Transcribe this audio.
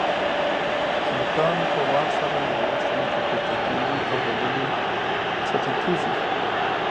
هلکان په وار سره یوې ستنې ته پورته کېږي او له بلې کښته کېږي.